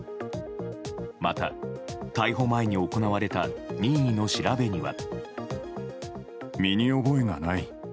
また、逮捕前に行われた任意の調べには。